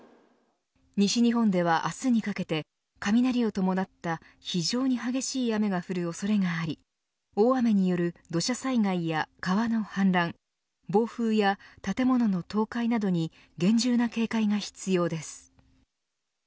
西日本では明日にかけて雷を伴った非常に激しい雨が降る恐れがあり大雨による土砂災害や川の氾濫暴風や建物の倒壊などに厳重な警戒が必要です。